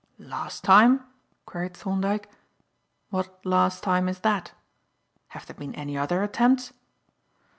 "Last time?" queried Thorndyke. "What last time is that? Have there been any other attempts?"